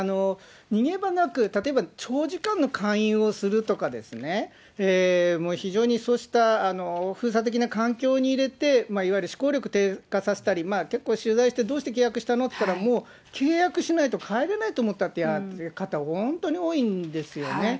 逃げ場なく、例えば長時間の勧誘をするとかですね、非常にそうした封鎖的な環境に入れて、いわゆる思考力低下させたり、結構取材して、どうして契約したの？って言ったら、もう契約しないと帰れないと思ったという方、本当に多いんですよね。